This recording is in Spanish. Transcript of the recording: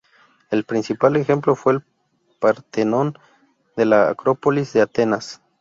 El principal ejemplo fue el Partenón de la acrópolis de Atenas.